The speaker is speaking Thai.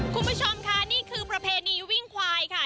คุณผู้ชมค่ะนี่คือประเพณีวิ่งควายค่ะ